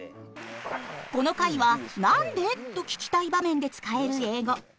この回は「なんで？」と聞きたい場面で使える英語。